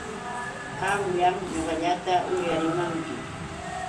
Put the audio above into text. Qamllam ñuqallata uyarimanki.